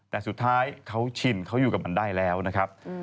แต่สุดท้ายเขาชินเขาอยู่กับมันได้แล้วนะครับ